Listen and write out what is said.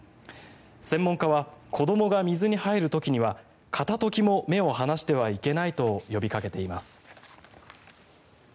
専門家は子どもが水に入る時には片時も目を離してはいけないと呼びかけています。